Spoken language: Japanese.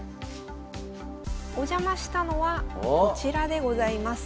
お邪魔したのはこちらでございます。